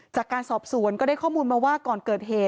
จากการสอบสวนก็ได้ข้อมูลมาว่าก่อนเกิดเหตุ